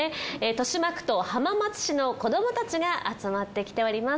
豊島区と浜松市の子どもたちが集まってきております。